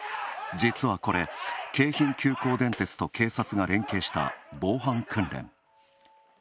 実はこれ、京浜急行電鉄と警察が連携した防犯訓練。